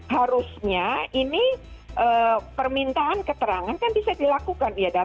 harusnya ini permintaan keterangan kan bisa dilakukan